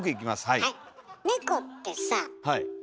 はい。